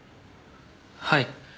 はい。